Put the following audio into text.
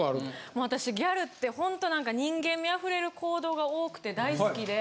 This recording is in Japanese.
もう私ギャルってほんと何か人間味あふれる行動が多くて大好きで。